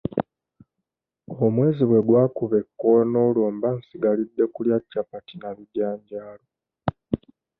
Omwezi bwe gwakuba ekoona olwo mba nsigalidde kulya capati na bijanjaalo.